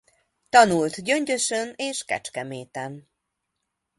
Tanult Gyöngyösön és Kecskeméten.